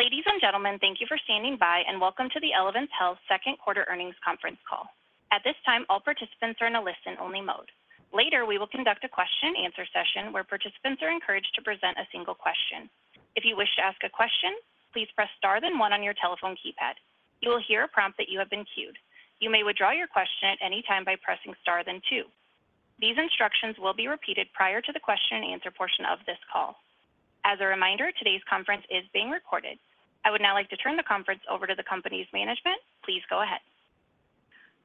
Ladies and gentlemen, thank you for standing by and welcome to the Elevance Health Second Quarter Earnings Conference Call. At this time, all participants are in a listen-only mode. Later, we will conduct a questions-and-answers session, where participants are encouraged to present a single question. If you wish to ask a question, please press star then one on your telephone keypad. You will hear a prompt that you have been queued. You may withdraw your question at any time by pressing star then two. These instructions will be repeated prior to the questions-and-answers portion of this call. As a reminder, today's conference is being recorded. I would now like to turn the conference over to the company's management. Please go ahead.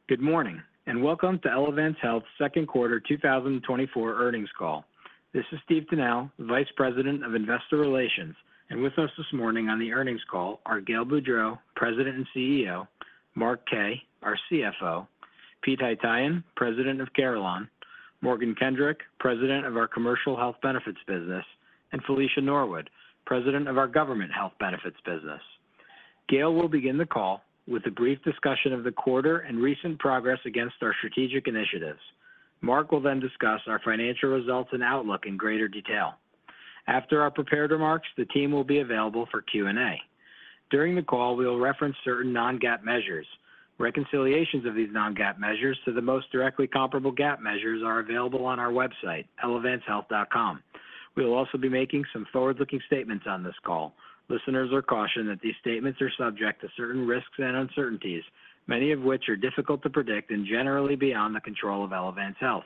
Good morning, and welcome to Elevance Health's second quarter 2024 earnings call. This is Steve Tinnell, Vice President of Investor Relations, and with us this morning on the earnings call are Gail Boudreaux, President and CEO, Mark Kaye, our CFO, Pete Haytaian, President of Carelon, Morgan Kendrick, President of our Commercial Health Benefits business, and Felicia Norwood, President of our Government Health Benefits business. Gail will begin the call with a brief discussion of the quarter and recent progress against our strategic initiatives. Mark will then discuss our financial results and outlook in greater detail. After our prepared remarks, the team will be available for Q&A. During the call, we will reference certain non-GAAP measures. Reconciliations of these non-GAAP measures to the most directly comparable GAAP measures are available on our website, elevancehealth.com. We will also be making some forward-looking statements on this call. Listeners are cautioned that these statements are subject to certain risks and uncertainties, many of which are difficult to predict and generally beyond the control of Elevance Health.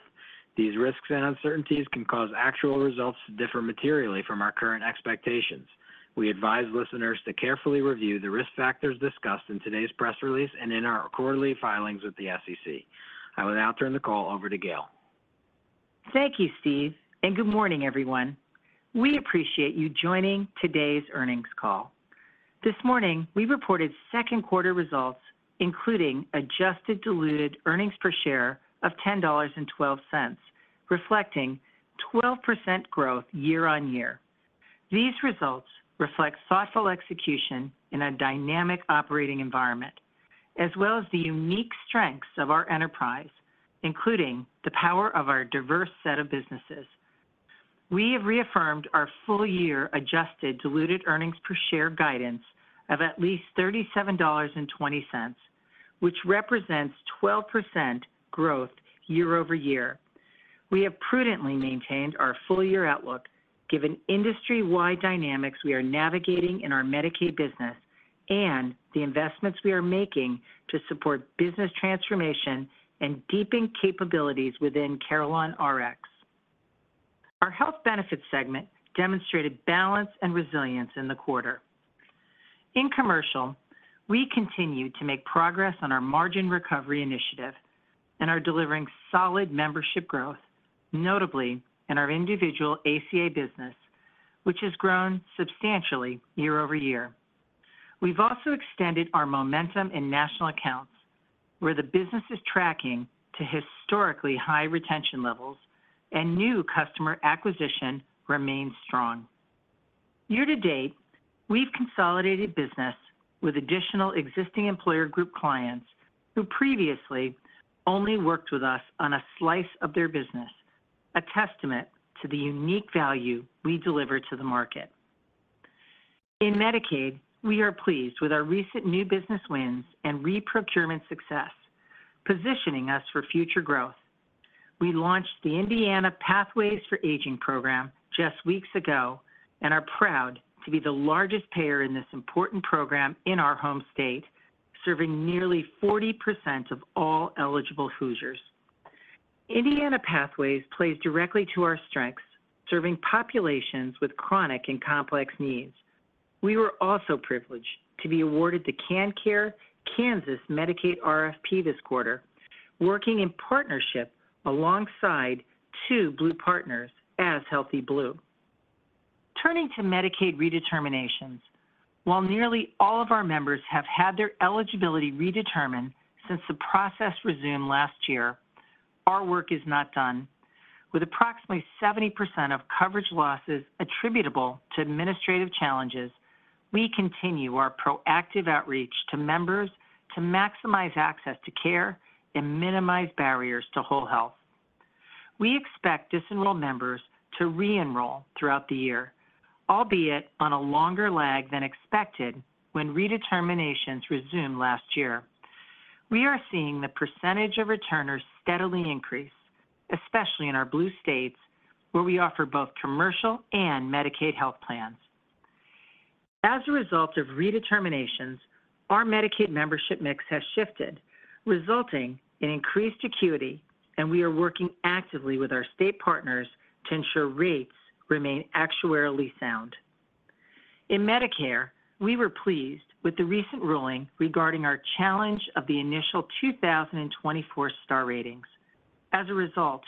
These risks and uncertainties can cause actual results to differ materially from our current expectations. We advise listeners to carefully review the risk factors discussed in today's press release and in our quarterly filings with the SEC. I will now turn the call over to Gail. Thank you, Steve, and good morning, everyone. We appreciate you joining today's earnings call. This morning, we reported second quarter results, including adjusted diluted earnings per share of $10.12, reflecting 12% growth year-over-year. These results reflect thoughtful execution in a dynamic operating environment, as well as the unique strengths of our enterprise, including the power of our diverse set of businesses. We have reaffirmed our full-year adjusted diluted earnings per share guidance of at least $37.20, which represents 12% growth year-over-year. We have prudently maintained our full-year outlook, given industry-wide dynamics we are navigating in our Medicaid business and the investments we are making to support business transformation and deepening capabilities within CarelonRx. Our health benefits segment demonstrated balance and resilience in the quarter. In commercial, we continue to make progress on our margin recovery initiative and are delivering solid membership growth, notably in our individual ACA business, which has grown substantially year-over-year. We've also extended our momentum in national accounts, where the business is tracking to historically high retention levels and new customer acquisition remains strong. Year to date, we've consolidated business with additional existing employer group clients who previously only worked with us on a slice of their business, a testament to the unique value we deliver to the market. In Medicaid, we are pleased with our recent new business wins and reprocurement success, positioning us for future growth. We launched the Indiana PathWays for Aging program just weeks ago and are proud to be the largest payer in this important program in our home state, serving nearly 40% of all eligible Hoosiers. Indiana PathWays plays directly to our strengths, serving populations with chronic and complex needs. We were also privileged to be awarded the KanCare Kansas Medicaid RFP this quarter, working in partnership alongside two Blue partners as Healthy Blue. Turning to Medicaid redeterminations, while nearly all of our members have had their eligibility redetermined since the process resumed last year, our work is not done. With approximately 70% of coverage losses attributable to administrative challenges, we continue our proactive outreach to members to maximize access to care and minimize barriers to whole health. We expect disenrolled members to re-enroll throughout the year, albeit on a longer lag than expected when redeterminations resumed last year. We are seeing the percentage of returners steadily increase, especially in our Blue States, where we offer both commercial and Medicaid health plans. As a result of redeterminations, our Medicaid membership mix has shifted, resulting in increased acuity, and we are working actively with our state partners to ensure rates remain actuarially sound. In Medicare, we were pleased with the recent ruling regarding our challenge of the initial 2024 Star Ratings. As a result,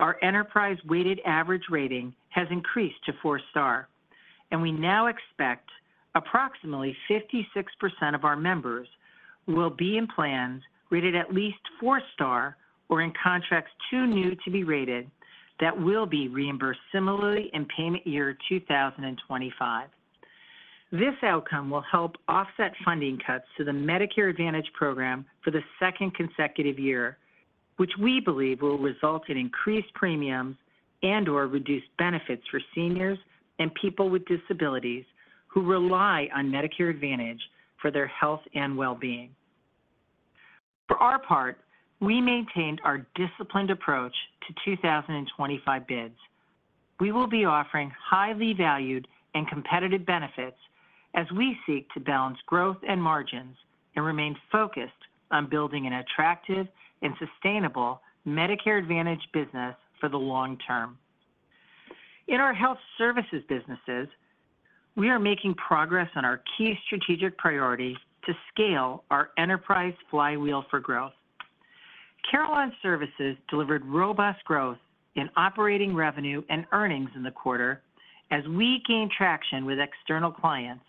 our enterprise weighted average rating has increased to four star, and we now expect approximately 56% of our members will be in plans rated at least four star or in contracts too new to be rated that will be reimbursed similarly in payment year 2025. This outcome will help offset funding cuts to the Medicare Advantage program for the second consecutive year which we believe will result in increased premiums and or reduced benefits for seniors and people with disabilities who rely on Medicare Advantage for their health and well-being. For our part, we maintained our disciplined approach to 2025 bids. We will be offering highly valued and competitive benefits as we seek to balance growth and margins and remain focused on building an attractive and sustainable Medicare Advantage business for the long term. In our health services businesses, we are making progress on our key strategic priority to scale our enterprise flywheel for growth. Carelon Services delivered robust growth in operating revenue and earnings in the quarter as we gain traction with external clients,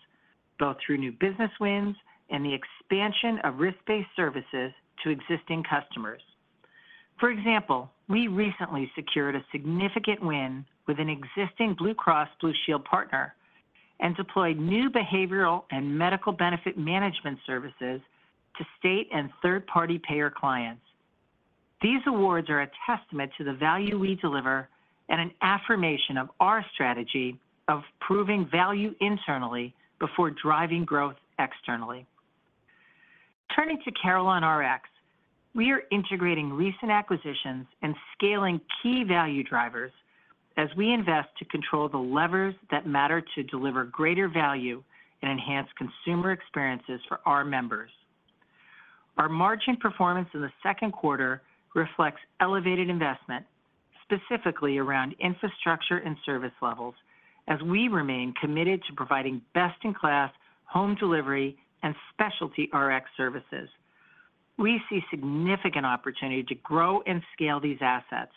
both through new business wins and the expansion of risk-based services to existing customers. For example, we recently secured a significant win with an existing Blue Cross Blue Shield partner and deployed new behavioral and medical benefit management services to state and third-party payer clients. These awards are a testament to the value we deliver and an affirmation of our strategy of proving value internally before driving growth externally. Turning to CarelonRx, we are integrating recent acquisitions and scaling key value drivers as we invest to control the levers that matter to deliver greater value and enhance consumer experiences for our members. Our margin performance in the second quarter reflects elevated investment, specifically around infrastructure and service levels, as we remain committed to providing best-in-class home delivery and specialty Rx services. We see significant opportunity to grow and scale these assets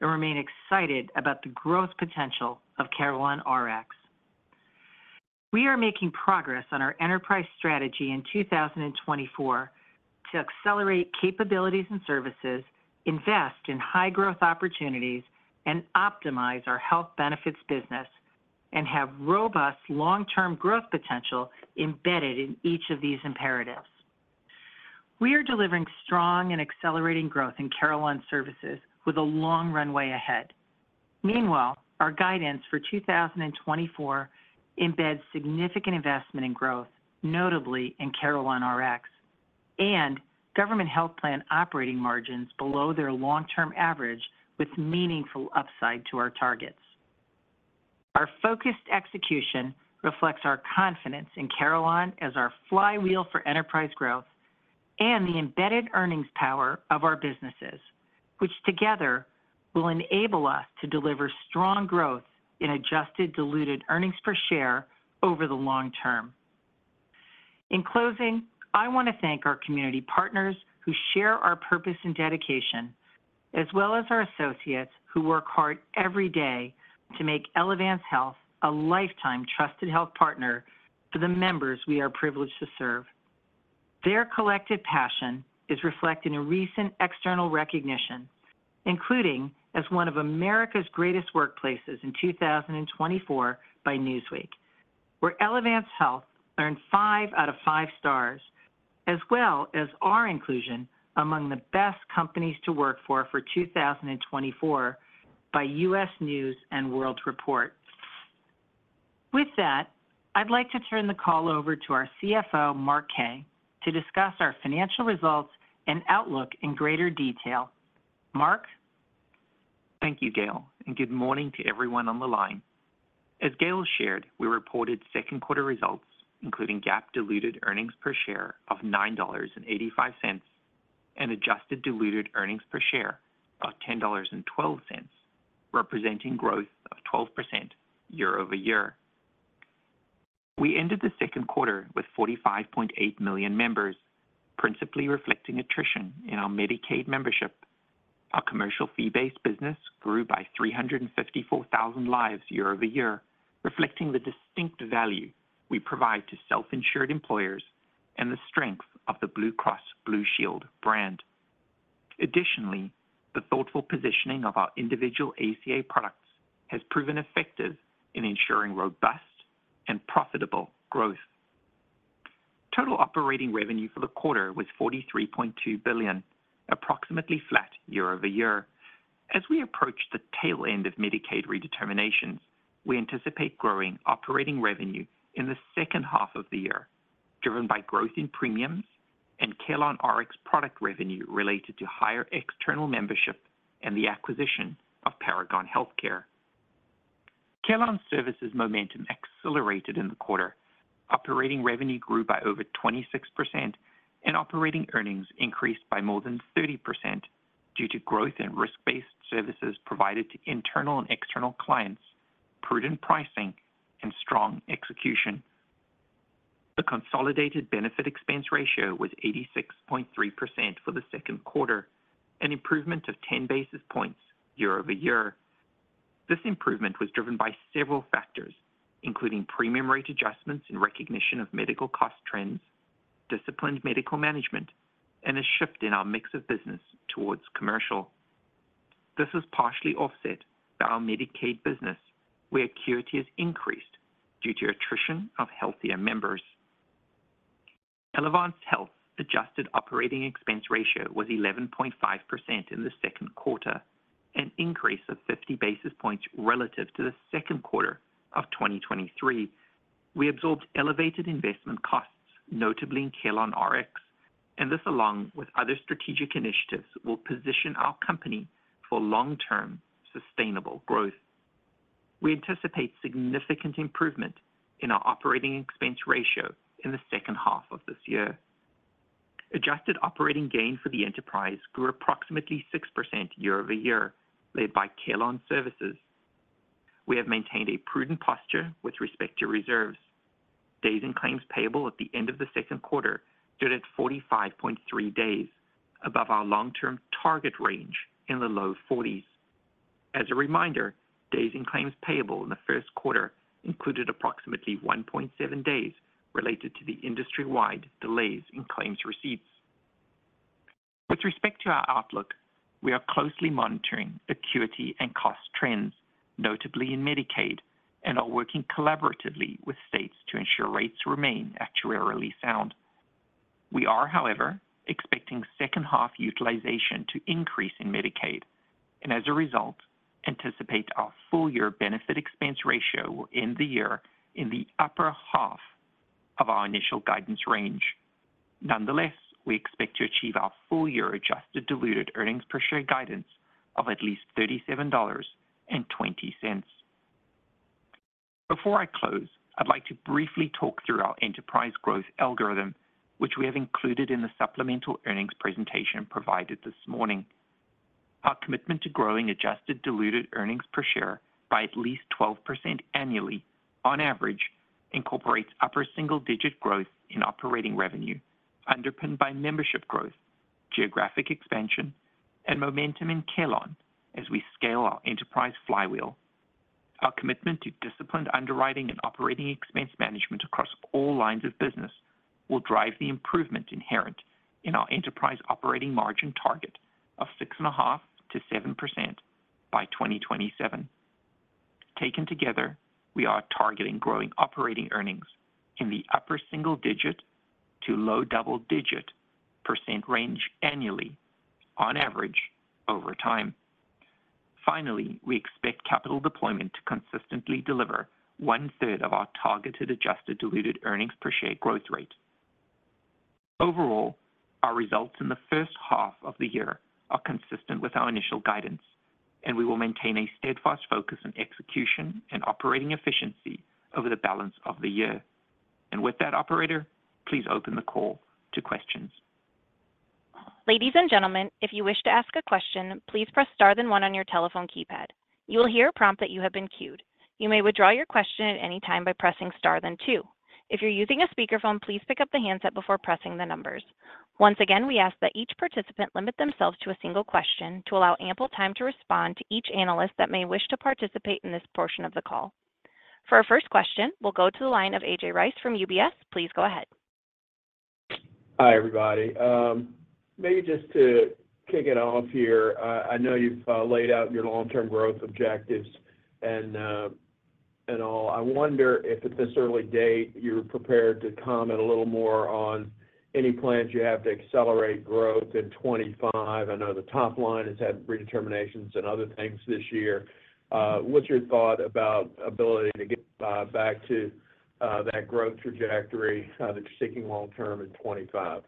and remain excited about the growth potential of CarelonRx. We are making progress on our enterprise strategy in 2024 to accelerate capabilities and services, invest in high growth opportunities, and optimize our health benefits business, and have robust long-term growth potential embedded in each of these imperatives. We are delivering strong and accelerating growth in Carelon Services with a long runway ahead. Meanwhile, our guidance for 2024 embeds significant investment in growth, notably in CarelonRx and government health plan operating margins below their long-term average with meaningful upside to our targets. Our focused execution reflects our confidence in Carelon as our flywheel for enterprise growth and the embedded earnings power of our businesses, which together will enable us to deliver strong growth in adjusted diluted earnings per share over the long term. In closing, I want to thank our community partners who share our purpose and dedication, as well as our associates who work hard every day to make Elevance Health a lifetime trusted health partner to the members we are privileged to serve. Their collective passion is reflected in a recent external recognition, including as one of America's greatest workplaces in 2024 by Newsweek, where Elevance Health earned five out of five stars, as well as our inclusion among the best companies to work for, for 2024 by U.S. News & World Report. With that, I'd like to turn the call over to our CFO, Mark Kaye, to discuss our financial results and outlook in greater detail. Mark? Thank you, Gail, and good morning to everyone on the line. As Gail shared, we reported second quarter results, including GAAP diluted earnings per share of $9.85 and adjusted diluted earnings per share of $10.12, representing growth of 12% year-over-year. We ended the second quarter with 45.8 million members, principally reflecting attrition in our Medicaid membership. Our commercial fee-based business grew by 354,000 lives year-over-year, reflecting the distinct value we provide to self-insured employers and the strength of the Blue Cross Blue Shield brand. Additionally, the thoughtful positioning of our individual ACA products has proven effective in ensuring robust and profitable growth. Total operating revenue for the quarter was $43.2 billion, approximately flat year-over-year. As we approach the tail end of Medicaid redeterminations, we anticipate growing operating revenue in the second half of the year, driven by growth in premiums and CarelonRx product revenue related to higher external membership and the acquisition of Paragon Healthcare. Carelon Services momentum accelerated in the quarter. Operating revenue grew by over 26%, and operating earnings increased by more than 30% due to growth in risk-based services provided to internal and external clients, prudent pricing, and strong execution. The consolidated benefit expense ratio was 86.3% for the second quarter, an improvement of 10 basis points year-over-year. This improvement was driven by several factors, including premium rate adjustments in recognition of medical cost trends, disciplined medical management, and a shift in our mix of business towards commercial. This is partially offset by our Medicaid business, where acuity has increased due to attrition of healthier members. Elevance Health adjusted operating expense ratio was 11.5% in the second quarter, an increase of 50 basis points relative to the second quarter of 2023. We absorbed elevated investment costs, notably in CarelonRx, and this, along with other strategic initiatives, will position our company for long-term sustainable growth. We anticipate significant improvement in our operating expense ratio in the second half of this year. Adjusted operating gain for the enterprise grew approximately 6% year-over-year, led by Carelon Services. We have maintained a prudent posture with respect to reserves. Days in claims payable at the end of the second quarter stood at 45.3 days, above our long-term target range in the low forties. As a reminder, days in claims payable in the first quarter included approximately 1.7 days related to the industry-wide delays in claims receipts. With respect to our outlook, we are closely monitoring acuity and cost trends, notably in Medicaid, and are working collaboratively with states to ensure rates remain actuarially sound. We are, however, expecting second half utilization to increase in Medicaid, and as a result, anticipate our full year benefit expense ratio will end the year in the upper half of our initial guidance range. Nonetheless, we expect to achieve our full year adjusted diluted earnings per share guidance of at least $37.20. Before I close, I'd like to briefly talk through our enterprise growth algorithm, which we have included in the supplemental earnings presentation provided this morning. Our commitment to growing adjusted diluted earnings per share by at least 12% annually on average, incorporates upper single-digit growth in operating revenue, underpinned by membership growth, geographic expansion, and momentum in Carelon as we scale our enterprise flywheel. Our commitment to disciplined underwriting and operating expense management across all lines of business will drive the improvement inherent in our enterprise operating margin target of 6.5%-7% by 2027. Taken together, we are targeting growing operating earnings in the upper single-digit to low double-digit percent range annually on average over time. Finally, we expect capital deployment to consistently deliver 1/3 of our targeted adjusted diluted earnings per share growth rate. Overall, our results in the first half of the year are consistent with our initial guidance, and we will maintain a steadfast focus on execution and operating efficiency over the balance of the year. With that, operator, please open the call to questions. Ladies and gentlemen, if you wish to ask a question, please press star, then one on your telephone keypad. You will hear a prompt that you have been queued. You may withdraw your question at any time by pressing star, then two. If you're using a speakerphone, please pick up the handset before pressing the numbers. Once again, we ask that each participant limit themselves to a single question to allow ample time to respond to each analyst that may wish to participate in this portion of the call. For our first question, we'll go to the line of A.J. Rice from UBS. Please go ahead. Hi, everybody. Maybe just to kick it off here, I know you've laid out your long-term growth objectives and all. I wonder if at this early date, you're prepared to comment a little more on any plans you have to accelerate growth in 2025. I know the top line has had redeterminations and other things this year. What's your thought about ability to get back to that growth trajectory that you're seeking long term in 2025?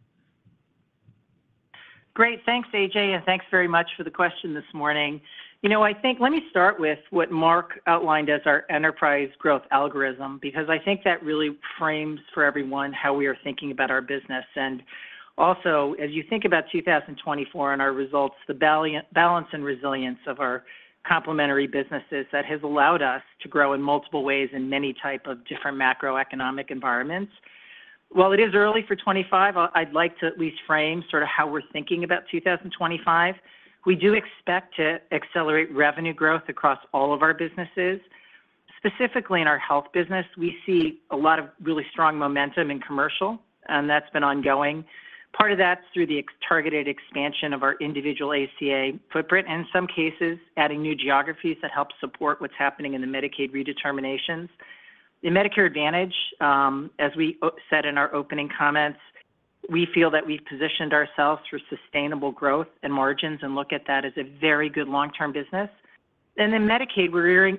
Great. Thanks, A.J., and thanks very much for the question this morning. You know, I think let me start with what Mark outlined as our enterprise growth algorithm, because I think that really frames for everyone how we are thinking about our business. And also, as you think about 2024 and our results, the balance and resilience of our complementary businesses, that has allowed us to grow in multiple ways in many types of different macroeconomic environments. While it is early for 2025, I'd like to at least frame sort of how we're thinking about 2025. We do expect to accelerate revenue growth across all of our businesses. Specifically in our health business, we see a lot of really strong momentum in commercial, and that's been ongoing. Part of that's through the targeted expansion of our Individual ACA footprint, in some cases, adding new geographies that help support what's happening in the Medicaid redeterminations. In Medicare Advantage, as we said in our opening comments, we feel that we've positioned ourselves for sustainable growth and margins and look at that as a very good long-term business. And in Medicaid, we're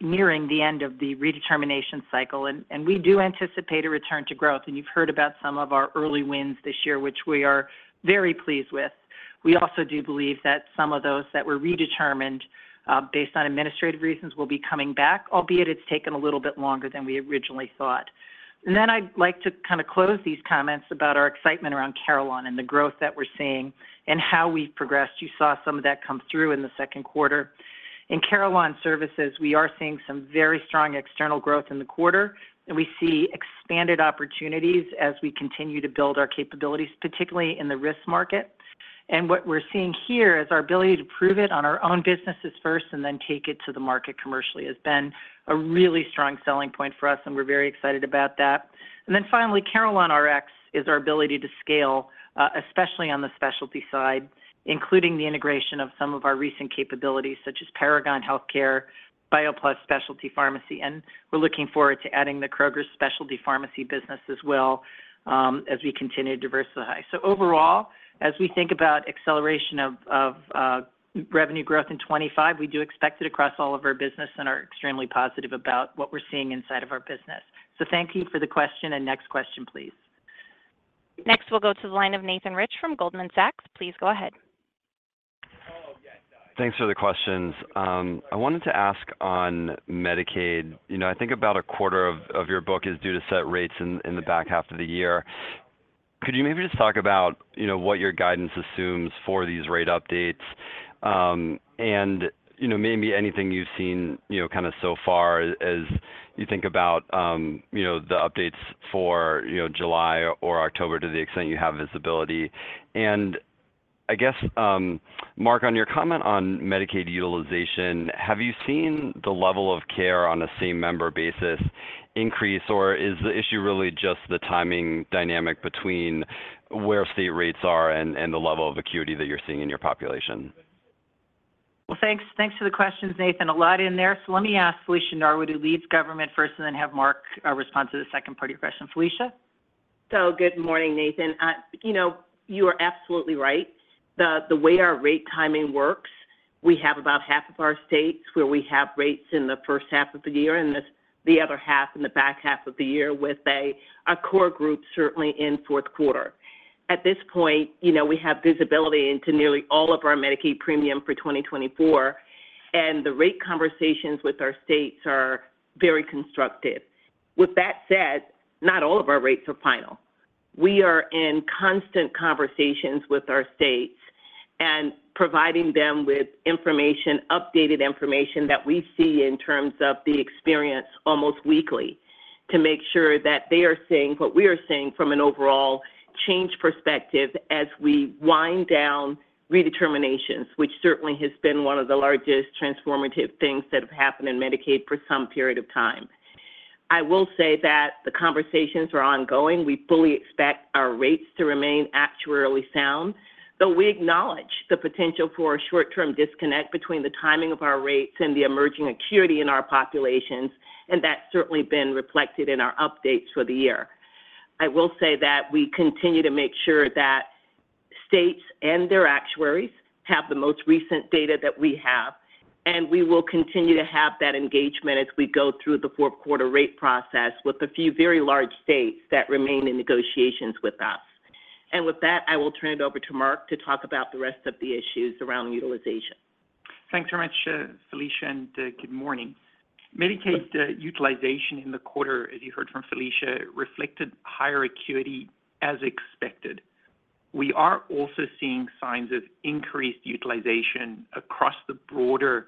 nearing the end of the redetermination cycle, and we do anticipate a return to growth. And you've heard about some of our early wins this year, which we are very pleased with. We also do believe that some of those that were redetermined, based on administrative reasons, will be coming back, albeit it's taken a little bit longer than we originally thought. Then I'd like to kind of close these comments about our excitement around Carelon and the growth that we're seeing and how we've progressed. You saw some of that come through in the second quarter. In Carelon Services, we are seeing some very strong external growth in the quarter, and we see expanded opportunities as we continue to build our capabilities, particularly in the risk market. And what we're seeing here is our ability to prove it on our own businesses first and then take it to the market commercially has been a really strong selling point for us, and we're very excited about that. Then finally, CarelonRx is our ability to scale, especially on the specialty side, including the integration of some of our recent capabilities, such as Paragon Healthcare, BioPlus Specialty Pharmacy, and we're looking forward to adding the Kroger Specialty Pharmacy business as well, as we continue to diversify. So overall, as we think about acceleration of revenue growth in 2025, we do expect it across all of our business and are extremely positive about what we're seeing inside of our business. So thank you for the question. And next question, please. Next, we'll go to the line of Nathan Rich from Goldman Sachs. Please go ahead. Thanks for the questions. I wanted to ask on Medicaid, you know, I think about a quarter of your book is due to set rates in the back half of the year. Could you maybe just talk about, you know, what your guidance assumes for these rate updates? And, you know, maybe anything you've seen, you know, kind of so far as you think about, you know, the updates for, you know, July or October, to the extent you have visibility. And I guess, Mark, on your comment on Medicaid utilization, have you seen the level of care on a same member basis increase, or is the issue really just the timing dynamic between where state rates are and the level of acuity that you're seeing in your population? Well, thanks. Thanks for the questions, Nathan. A lot in there. So let me ask Felicia Norwood, who leads government first, and then have Mark respond to the second part of your question. Felicia? Good morning, Nathan. You know, you are absolutely right. The way our rate timing works, we have about half of our states where we have rates in the first half of the year, and the other half in the back half of the year, with a core group, certainly in fourth quarter. At this point, you know, we have visibility into nearly all of our Medicaid premium for 2024, and the rate conversations with our states are very constructive. With that said, not all of our rates are final. We are in constant conversations with our states and providing them with information, updated information, that we see in terms of the experience almost weekly, to make sure that they are seeing what we are seeing from an overall change perspective as we wind down redeterminations, which certainly has been one of the largest transformative things that have happened in Medicaid for some period of time. I will say that the conversations are ongoing. We fully expect our rates to remain actuarially sound, though we acknowledge the potential for a short-term disconnect between the timing of our rates and the emerging acuity in our populations, and that's certainly been reflected in our updates for the year. I will say that we continue to make sure that states and their actuaries have the most recent data that we have, and we will continue to have that engagement as we go through the fourth quarter rate process with a few very large states that remain in negotiations with us. With that, I will turn it over to Mark to talk about the rest of the issues around utilization. Thanks very much, Felicia, and good morning. Medicaid utilization in the quarter, as you heard from Felicia, reflected higher acuity as expected. We are also seeing signs of increased utilization across the broader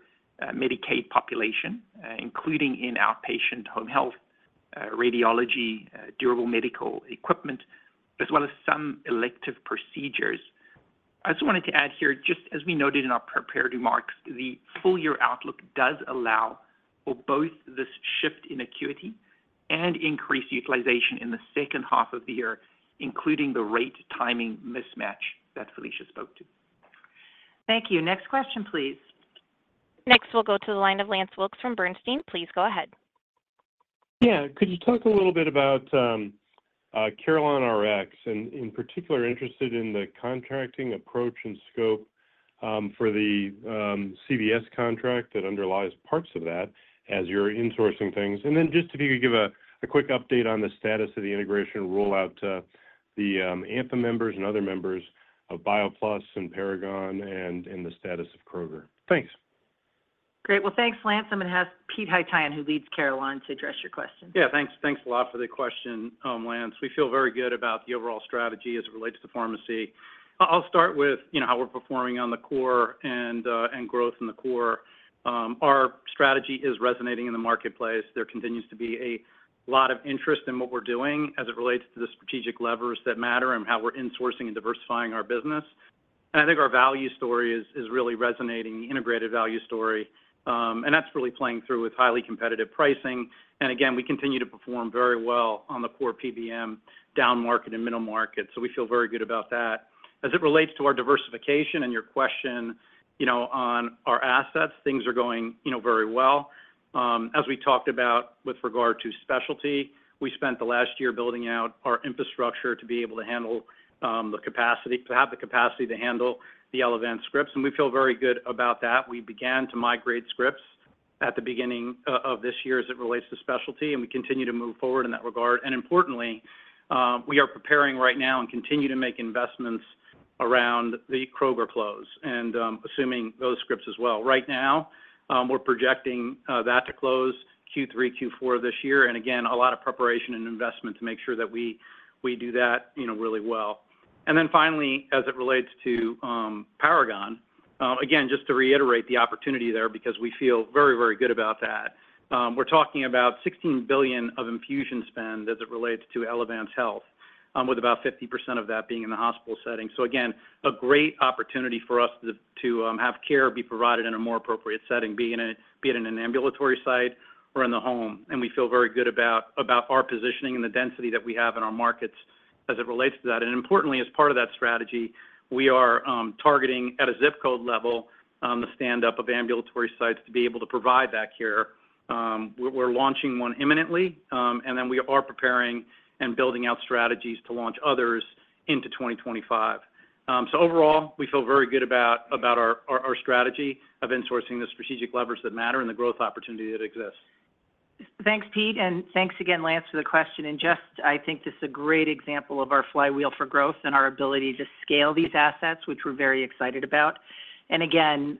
Medicaid population, including in outpatient home health, radiology, durable medical equipment, as well as some elective procedures. I just wanted to add here, just as we noted in our prepared remarks, the full year outlook does allow for both this shift in acuity and increased utilization in the second half of the year, including the rate timing mismatch that Felicia spoke to. Thank you. Next question, please. Next, we'll go to the line of Lance Wilkes from Bernstein. Please go ahead. Yeah. Could you talk a little bit about CarelonRx, and in particular interested in the contracting approach and scope, for the CVS contract that underlies parts of that as you're insourcing things? And then just if you could give a quick update on the status of the integration rollout to the ACA members and other members of BioPlus and Paragon and the status of Kroger. Thanks. Great. Well, thanks, Lance. I'm going to have Peter Haytaian, who leads Carelon, to address your question. Yeah, thanks. Thanks a lot for the question, Lance. We feel very good about the overall strategy as it relates to pharmacy. I'll start with, you know, how we're performing on the core and, and growth in the core. Our strategy is resonating in the marketplace. There continues to be a lot of interest in what we're doing as it relates to the strategic levers that matter and how we're insourcing and diversifying our business. And I think our value story is, is really resonating, integrated value story, and that's really playing through with highly competitive pricing. And again, we continue to perform very well on the core PBM down-market and middle market. So we feel very good about that. As it relates to our diversification and your question, you know, on our assets, things are going, you know, very well. As we talked about with regard to specialty, we spent the last year building out our infrastructure to be able to handle the capacity to have the capacity to handle the Elevance scripts, and we feel very good about that. We began to migrate scripts at the beginning of this year as it relates to specialty, and we continue to move forward in that regard. Importantly, we are preparing right now and continue to make investments around the Kroger close and assuming those scripts as well. Right now, we're projecting that to close Q3, Q4 this year, and again, a lot of preparation and investment to make sure that we do that, you know, really well. And then finally, as it relates to Paragon, again, just to reiterate the opportunity there, because we feel very, very good about that. We're talking about $16 billion of infusion spend as it relates to Elevance Health, with about 50% of that being in the hospital setting. So again, a great opportunity for us to have care be provided in a more appropriate setting, be it in an ambulatory site or in the home. And we feel very good about our positioning and the density that we have in our markets as it relates to that. And importantly, as part of that strategy, we are targeting at a zip code level the stand up of ambulatory sites to be able to provide that care. We're launching one imminently, and then we are preparing and building out strategies to launch others into 2025. Overall, we feel very good about our strategy of insourcing the strategic levers that matter and the growth opportunity that exists. Thanks, Pete, and thanks again, Lance, for the question. And just I think this is a great example of our flywheel for growth and our ability to scale these assets, which we're very excited about. And again,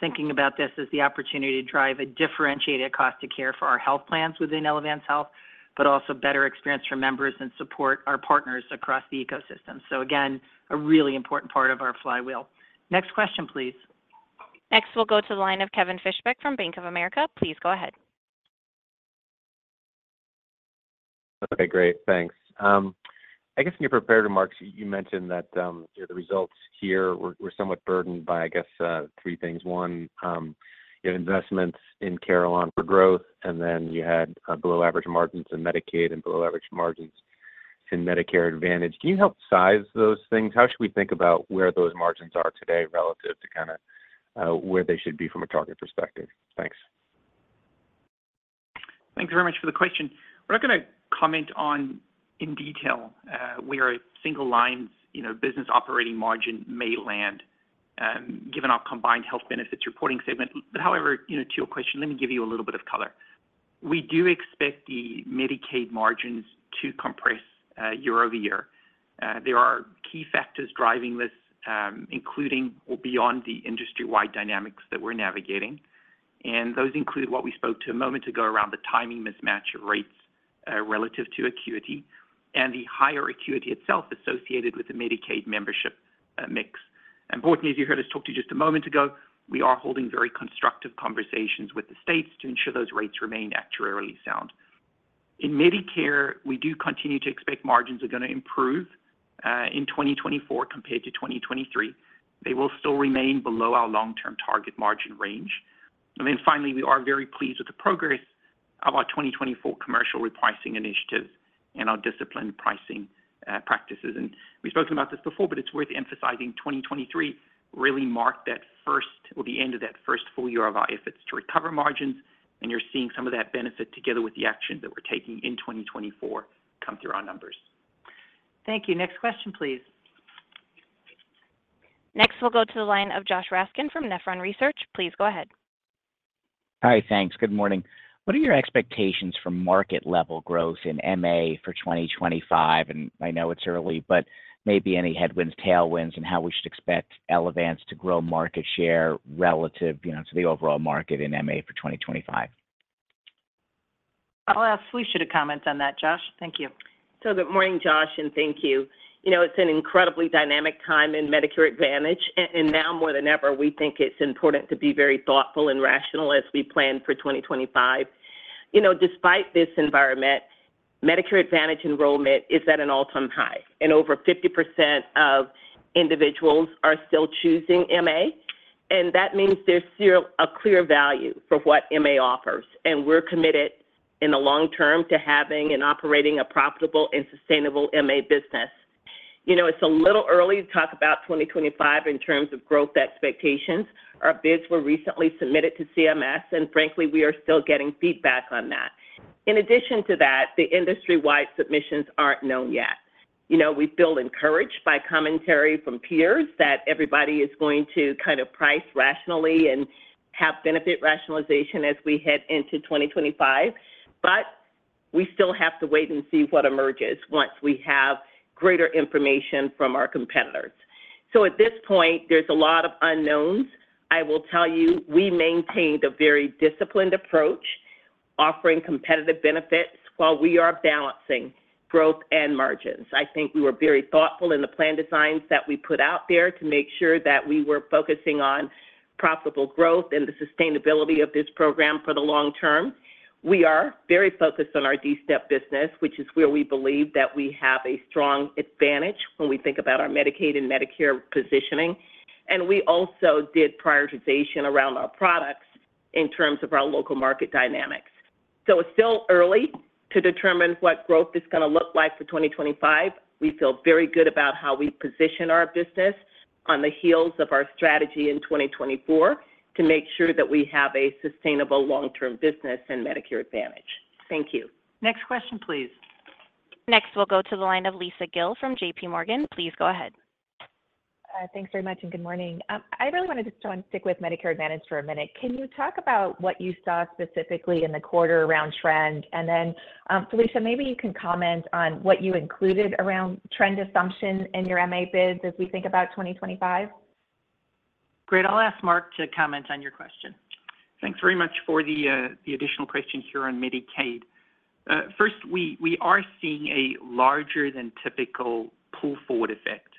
thinking about this as the opportunity to drive a differentiated cost of care for our health plans within Elevance Health, but also better experience for members and support our partners across the ecosystem. So again, a really important part of our flywheel. Next question, please. Next, we'll go to the line of Kevin Fischbeck from Bank of America. Please go ahead. Okay, great. Thanks. I guess in your prepared remarks, you mentioned that the results here were somewhat burdened by, I guess, three things. One, you had investments in Carelon for growth, and then you had below-average margins in Medicaid and below-average margins in Medicare Advantage. Can you help size those things? How should we think about where those margins are today relative to kinda where they should be from a target perspective? Thanks. Thank you very much for the question. We're not gonna comment on in detail, where a single line, you know, business operating margin may land, given our combined health benefits reporting segment. But however, you know, to your question, let me give you a little bit of color. We do expect the Medicaid margins to compress, year-over-year. There are key factors driving this, including or beyond the industry-wide dynamics that we're navigating. And those include what we spoke to a moment ago around the timing mismatch of rates, relative to acuity and the higher acuity itself associated with the Medicaid membership, mix. Importantly, as you heard us talk to you just a moment ago, we are holding very constructive conversations with the states to ensure those rates remain actuarially sound. In Medicare, we do continue to expect margins are gonna improve in 2024 compared to 2023. They will still remain below our long-term target margin range. And then finally, we are very pleased with the progress of our 2024 commercial repricing initiatives and our disciplined pricing practices. And we've spoken about this before, but it's worth emphasizing, 2023 really marked that first or the end of that first full year of our efforts to recover margins, and you're seeing some of that benefit together with the actions that we're taking in 2024 come through our numbers. Thank you. Next question, please. Next, we'll go to the line of Josh Raskin from Nephron Research. Please go ahead. Hi, thanks. Good morning. What are your expectations for market level growth in MA for 2025? And I know it's early, but maybe any headwinds, tailwinds, and how we should expect Elevance to grow market share relative, you know, to the overall market in MA for 2025? I'll ask Felicia to comment on that, Josh. Thank you. So good morning, Josh, and thank you. You know, it's an incredibly dynamic time in Medicare Advantage, and now more than ever, we think it's important to be very thoughtful and rational as we plan for 2025. You know, despite this environment, Medicare Advantage enrollment is at an all-time high, and over 50% of individuals are still choosing MA. And that means there's still a clear value for what MA offers, and we're committed in the long term to having and operating a profitable and sustainable MA business. You know, it's a little early to talk about 2025 in terms of growth expectations. Our bids were recently submitted to CMS, and frankly, we are still getting feedback on that. In addition to that, the industry-wide submissions aren't known yet. You know, we feel encouraged by commentary from peers that everybody is going to kind of price rationally and have benefit rationalization as we head into 2025, but we still have to wait and see what emerges once we have greater information from our competitors. So at this point, there's a lot of unknowns. I will tell you, we maintained a very disciplined approach, offering competitive benefits while we are balancing growth and margins. I think we were very thoughtful in the plan designs that we put out there to make sure that we were focusing on profitable growth and the sustainability of this program for the long term. We are very focused on our D-SNP business, which is where we believe that we have a strong advantage when we think about our Medicaid and Medicare positioning. We also did prioritization around our products in terms of our local market dynamics. It's still early to determine what growth is gonna look like for 2025. We feel very good about how we position our business on the heels of our strategy in 2024 to make sure that we have a sustainable long-term business in Medicare Advantage. Thank you. Next question, please. Next, we'll go to the line of Lisa Gill from JPMorgan. Please go ahead. Thanks very much, and good morning. I really wanted to just stick with Medicare Advantage for a minute. Can you talk about what you saw specifically in the quarter around trend? And then, Felicia, maybe you can comment on what you included around trend assumption in your MA bids as we think about 2025. Great. I'll ask Mark to comment on your question. Thanks very much for the additional question here on Medicaid. First, we are seeing a larger than typical pull-forward effect,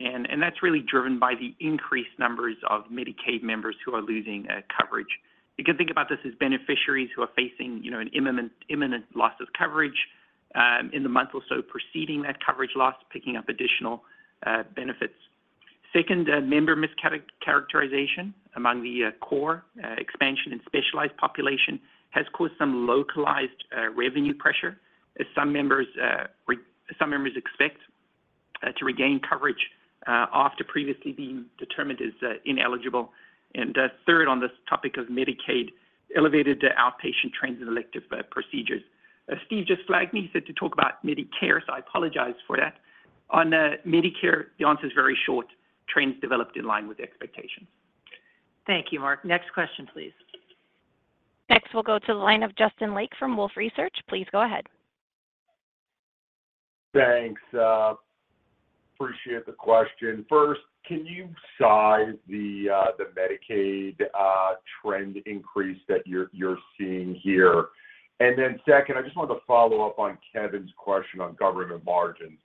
and that's really driven by the increased numbers of Medicaid members who are losing coverage. You can think about this as beneficiaries who are facing, you know, an imminent loss of coverage, in the month or so preceding that coverage loss, picking up additional benefits. Second, member mischaracterization among the core expansion and specialized population has caused some localized revenue pressure, as some members expect to regain coverage after previously being determined as ineligible. And third on this topic of Medicaid, elevated outpatient trends and elective procedures. Steve just flagged me. He said to talk about Medicare, so I apologize for that. On Medicare, the answer is very short. Trends developed in line with expectations. Thank you, Mark. Next question, please. Next, we'll go to the line of Justin Lake from Wolfe Research. Please go ahead. Thanks, appreciate the question. First, can you size the, the Medicaid, trend increase that you're, you're seeing here? And then second, I just wanted to follow up on Kevin's question on government margins.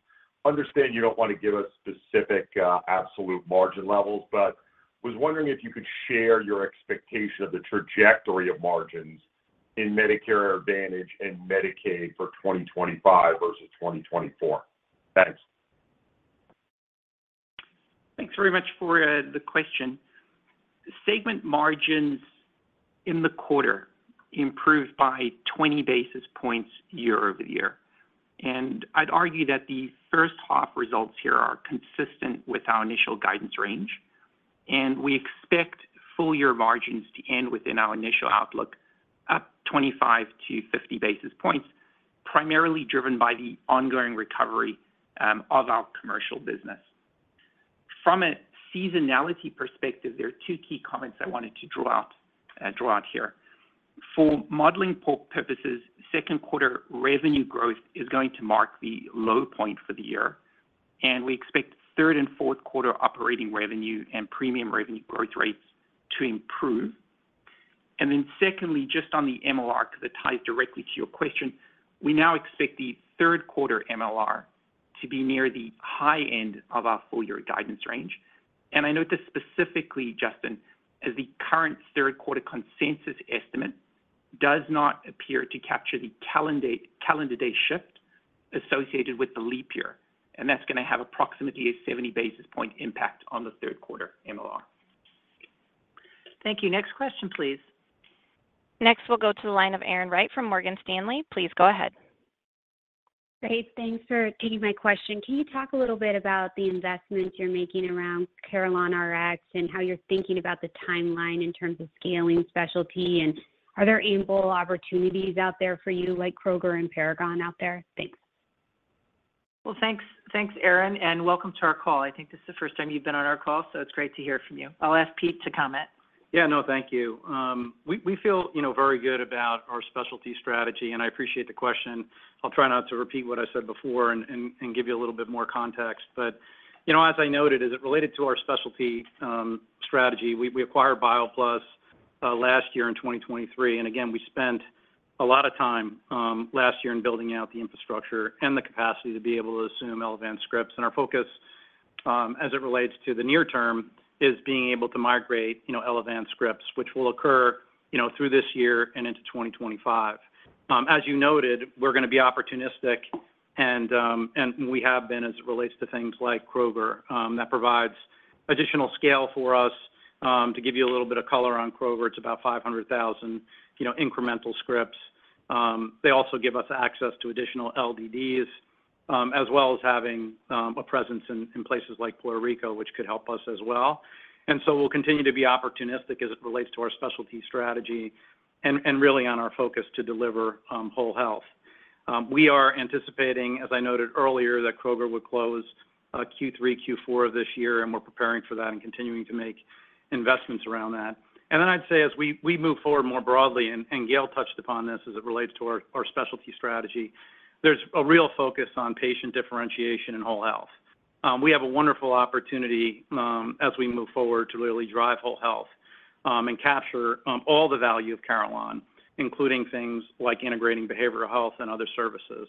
Understand you don't want to give us specific, absolute margin levels, but was wondering if you could share your expectation of the trajectory of margins in Medicare Advantage and Medicaid for 2025 versus 2024. Thanks. Thanks very much for the question. Segment margins in the quarter improved by 20 basis points year-over-year. And I'd argue that the first half results here are consistent with our initial guidance range, and we expect full year margins to end within our initial outlook, up 25-50 basis points, primarily driven by the ongoing recovery of our commercial business. From a seasonality perspective, there are two key comments I wanted to draw out here. For modeling purposes, second quarter revenue growth is going to mark the low point for the year, and we expect third and fourth quarter operating revenue and premium revenue growth rates to improve. And then secondly, just on the MLR, because it ties directly to your question, we now expect the third quarter MLR to be near the high end of our full year guidance range. I note this specifically, Justin, as the current third quarter consensus estimate does not appear to capture the calendar date, calendar day shift associated with the leap year, and that's going to have approximately a 70 basis point impact on the third quarter MLR. Thank you. Next question, please. Next, we'll go to the line of Erin Wright from Morgan Stanley. Please go ahead. Great. Thanks for taking my question. Can you talk a little bit about the investments you're making around CarelonRx and how you're thinking about the timeline in terms of scaling specialty? And are there any more opportunities out there for you, like Kroger and Paragon out there? Thanks. Well, thanks. Thanks, Erin, and welcome to our call. I think this is the first time you've been on our call, so it's great to hear from you. I'll ask Pete to comment. Yeah. No, thank you. We feel, you know, very good about our specialty strategy, and I appreciate the question. I'll try not to repeat what I said before and give you a little bit more context. But, you know, as I noted, as it related to our specialty strategy, we acquired BioPlus last year in 2023, and again, we spent a lot of time last year in building out the infrastructure and the capacity to be able to assume Elevance scripts. And our focus as it relates to the near term is being able to migrate, you know, Elevance scripts, which will occur, you know, through this year and into 2025. As you noted, we're gonna be opportunistic, and we have been as it relates to things like Kroger that provides additional scale for us. To give you a little bit of color on Kroger, it's about 500,000, you know, incremental scripts. They also give us access to additional LDDs, as well as having a presence in places like Puerto Rico, which could help us as well. And so we'll continue to be opportunistic as it relates to our specialty strategy and really on our focus to deliver whole health. We are anticipating, as I noted earlier, that Kroger would close Q3, Q4 of this year, and we're preparing for that and continuing to make investments around that. And then I'd say as we move forward more broadly, and Gail touched upon this as it relates to our specialty strategy, there's a real focus on patient differentiation and whole health. We have a wonderful opportunity, as we move forward, to really drive whole health and capture all the value of Carelon, including things like integrating behavioral health and other services.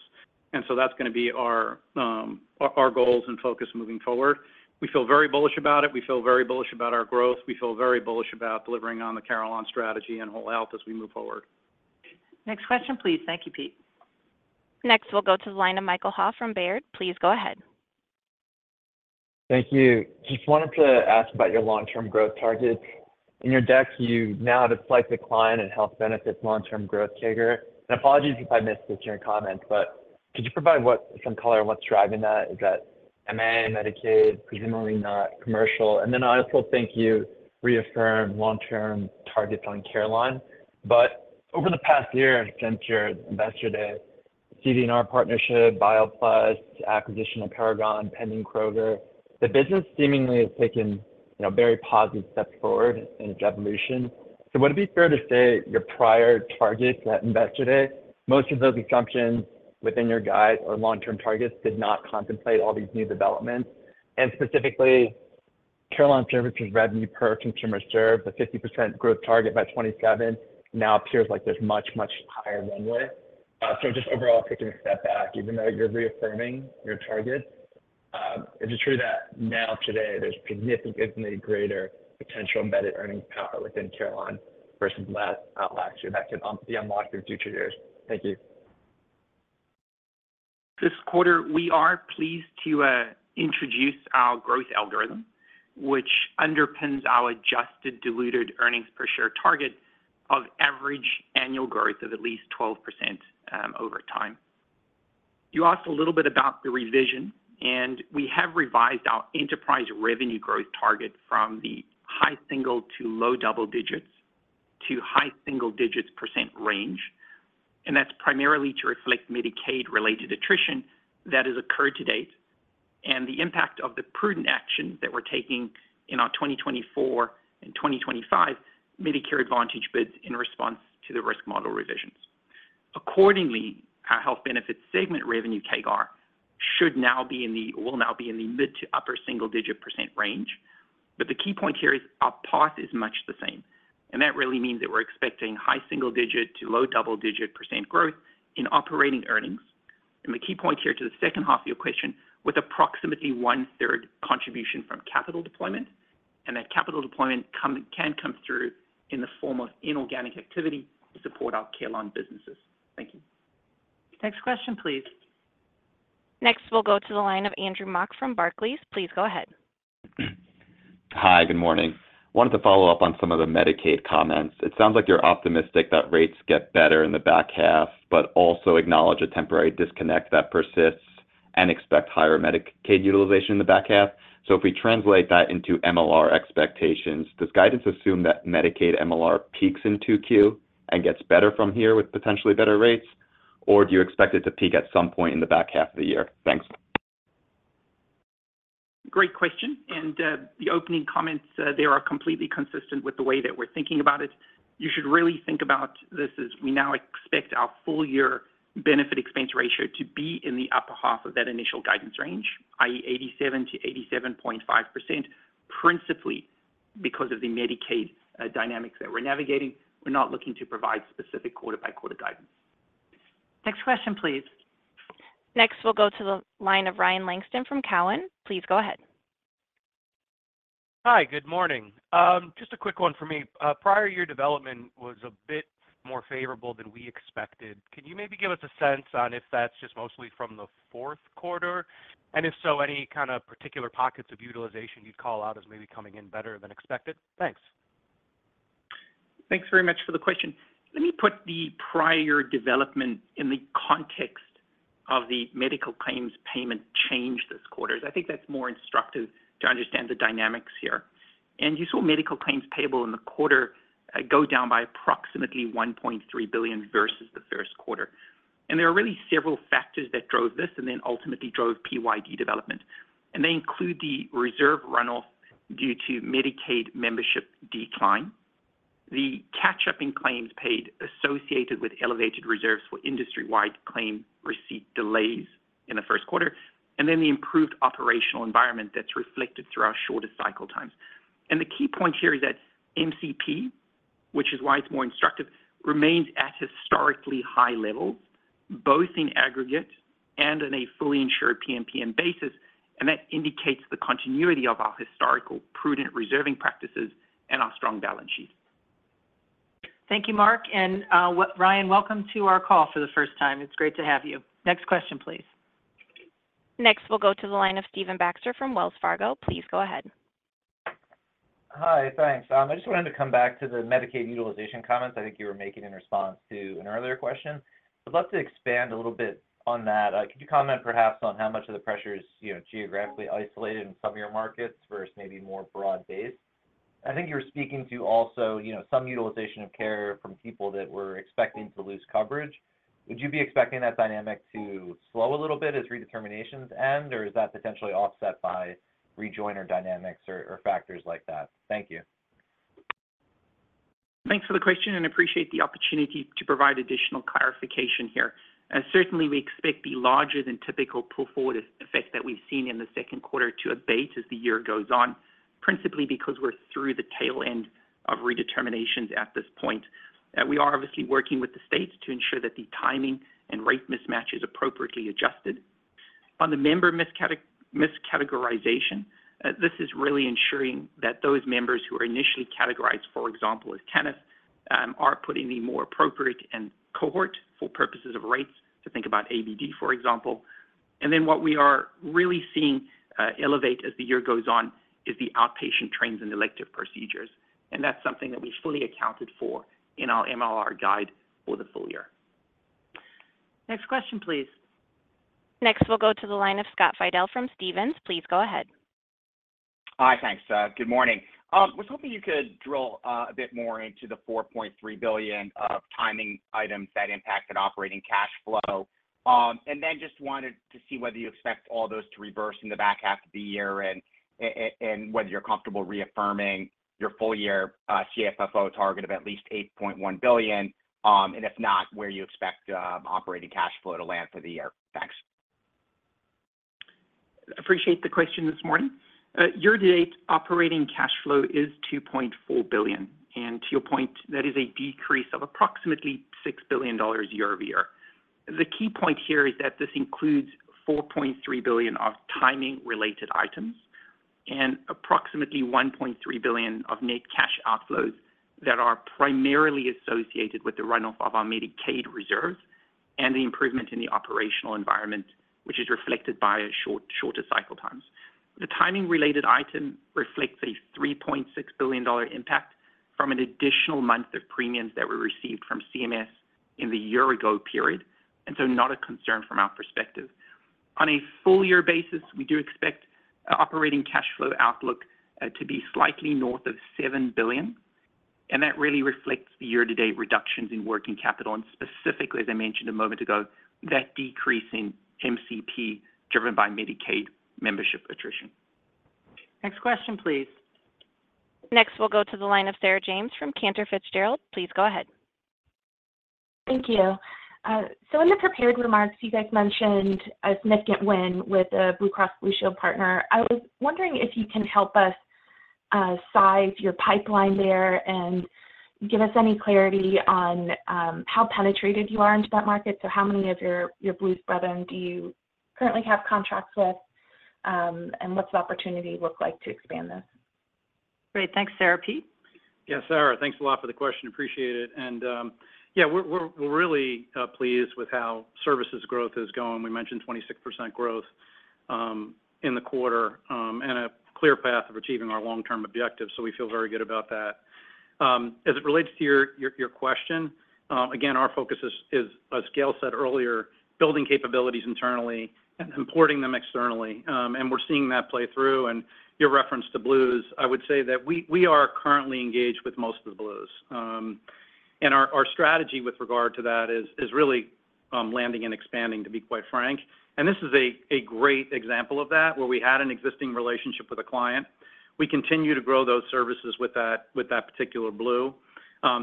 That's gonna be our goals and focus moving forward. We feel very bullish about it. We feel very bullish about our growth. We feel very bullish about delivering on the Carelon strategy and whole health as we move forward. Next question, please. Thank you, Pete. Next, we'll go to the line of Michael Ha from Baird. Please go ahead. Thank you. Just wanted to ask about your long-term growth targets. In your deck, you now have a slight decline in health benefits long-term growth CAGR. And apologies if I missed this in your comments, but could you provide what, some color on what's driving that? Is that MA, Medicaid, presumably not commercial. And then I also think you reaffirmed long-term targets on Carelon, but over the past year, since your Investor Day, CD&R partnership, BioPlus, acquisition of Paragon, pending Kroger, the business seemingly has taken a very positive step forward in its evolution. So would it be fair to say your prior targets at Investor Day, most of those assumptions within your guide or long-term targets did not contemplate all these new developments? And specifically, Carelon Services revenue per consumer served, the 50% growth target by 2027 now appears like there's much, much higher runway. So, just overall, taking a step back, even though you're reaffirming your targets, is it true that now today, there's significantly greater potential embedded earnings power within Carelon versus last, last year that can be unlocked in future years? Thank you. This quarter, we are pleased to introduce our growth algorithm, which underpins our adjusted diluted earnings per share target of average annual growth of at least 12% over time. You asked a little bit about the revision, and we have revised our enterprise revenue growth target from the high single to low double digits to high single digits percent range, and that's primarily to reflect Medicaid related attrition that has occurred to date, and the impact of the prudent action that we're taking in our 2024 and 2025 Medicare Advantage bids in response to the risk model revisions. Accordingly, our health benefit segment revenue CAGR will now be in the mid- to upper-single-digit percent range. But the key point here is our path is much the same, and that really means that we're expecting high single-digit to low double-digit percent growth in operating earnings. The key point here to the second half of your question, with approximately 1/3 contribution from capital deployment, and that capital deployment can come through in the form of inorganic activity to support our Carelon businesses. Thank you. Next question, please. Next, we'll go to the line of Andrew Mok from Barclays. Please go ahead. Hi, good morning. Wanted to follow up on some of the Medicaid comments. It sounds like you're optimistic that rates get better in the back half, but also acknowledge a temporary disconnect that persists and expect higher Medicaid utilization in the back half. So if we translate that into MLR expectations, does guidance assume that Medicaid MLR peaks in 2Q and gets better from here with potentially better rates? Or do you expect it to peak at some point in the back half of the year? Thanks. Great question, and, the opening comments, they are completely consistent with the way that we're thinking about it. You should really think about this as we now expect our full year benefit expense ratio to be in the upper half of that initial guidance range, i.e., 87%-87.5%, principally because of the Medicaid, dynamics that we're navigating. We're not looking to provide specific quarter-by-quarter guidance. Next question, please. Next, we'll go to the line of Ryan Langston from TD Cowen. Please go ahead. Hi, good morning. Just a quick one for me. Prior year development was a bit more favorable than we expected. Can you maybe give us a sense on if that's just mostly from the fourth quarter? And if so, any kind of particular pockets of utilization you'd call out as maybe coming in better than expected? Thanks. Thanks very much for the question. Let me put the prior development in the context of the medical claims payable change this quarter. I think that's more instructive to understand the dynamics here. And you saw medical claims payable in the quarter go down by approximately $1.3 billion versus the first quarter. And there are really several factors that drove this and then ultimately drove PYD development. And they include the reserve runoff due to Medicaid membership decline, the catch-up in claims paid associated with elevated reserves for industry-wide claim receipt delays in the first quarter, and then the improved operational environment that's reflected through our shortest cycle times. The key point here is that MCP, which is why it's more instructive, remains at historically high levels, both in aggregate and in a fully insured PMPM basis, and that indicates the continuity of our historical prudent reserving practices and our strong balance sheet. Thank you, Mark, and Ryan, welcome to our call for the first time. It's great to have you. Next question, please. Next, we'll go to the line of Stephen Baxter from Wells Fargo. Please go ahead. Hi, thanks. I just wanted to come back to the Medicaid utilization comments I think you were making in response to an earlier question. I'd love to expand a little bit on that. Could you comment perhaps on how much of the pressure is, you know, geographically isolated in some of your markets versus maybe more broad-based? I think you're speaking to also, you know, some utilization of care from people that we're expecting to lose coverage. Would you be expecting that dynamic to slow a little bit as redeterminations end, or is that potentially offset by rejoin or dynamics or, or factors like that? Thank you. Thanks for the question, and appreciate the opportunity to provide additional clarification here. Certainly, we expect the larger than typical pull-forward effect that we've seen in the second quarter to abate as the year goes on, principally because we're through the tail end of redeterminations at this point. We are obviously working with the states to ensure that the timing and rate mismatch is appropriately adjusted. On the member miscategorization, this is really ensuring that those members who are initially categorized, for example, as Medicaid, are put in a more appropriate cohort for purposes of rates, to think about ABD, for example. And then what we are really seeing elevate as the year goes on is the outpatient trends and elective procedures, and that's something that we fully accounted for in our MLR guide for the full year. Next question, please. Next, we'll go to the line of Scott Fidel from Stephens. Please go ahead. Hi, thanks. Good morning. Was hoping you could drill a bit more into the $4.3 billion of timing items that impacted operating cash flow. And then just wanted to see whether you expect all those to reverse in the back half of the year, and and whether you're comfortable reaffirming your full year CFFO target of at least $8.1 billion, and if not, where you expect operating cash flow to land for the year. Thanks. Appreciate the question this morning. Year-to-date, operating cash flow is $2.4 billion, and to your point, that is a decrease of approximately $6 billion year-over-year. The key point here is that this includes $4.3 billion of timing-related items and approximately $1.3 billion of net cash outflows that are primarily associated with the runoff of our Medicaid reserves and the improvement in the operational environment, which is reflected by a short-shorter cycle times. The timing-related item reflects a $3.6 billion impact from an additional month of premiums that were received from CMS in the year ago period, and so not a concern from our perspective. On a full year basis, we do expect- Our operating cash flow outlook to be slightly north of $7 billion, and that really reflects the year-to-date reductions in working capital, and specifically, as I mentioned a moment ago, that decrease in MCP, driven by Medicaid membership attrition. Next question, please. Next, we'll go to the line of Sarah James from Cantor Fitzgerald. Please go ahead. Thank you. So in the prepared remarks, you guys mentioned a significant win with a Blue Cross Blue Shield partner. I was wondering if you can help us size your pipeline there and give us any clarity on how penetrated you are into that market. So how many of your Blue brethren do you currently have contracts with, and what's the opportunity look like to expand this? Great. Thanks, Sarah. Pete? Yes, Sarah, thanks a lot for the question. Appreciate it. Yeah, we're really pleased with how services growth is going. We mentioned 26% growth in the quarter and a clear path of achieving our long-term objectives, so we feel very good about that. As it relates to your question, again, our focus is, as Gail said earlier, building capabilities internally and importing them externally. And we're seeing that play through. Your reference to Blues, I would say that we are currently engaged with most of the Blues. And our strategy with regard to that is really landing and expanding, to be quite frank. This is a great example of that, where we had an existing relationship with a client. We continue to grow those services with that, with that particular Blue.